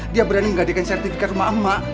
dia berani menggadikan sertifikat rumah emak